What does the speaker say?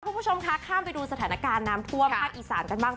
คุณผู้ชมคะข้ามไปดูสถานการณ์น้ำท่วมภาคอีสานกันบ้าง